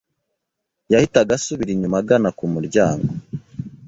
yahitaga asubira inyuma agana ku muryango.